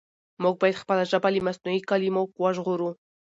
موږ بايد خپله ژبه له مصنوعي کلمو وژغورو.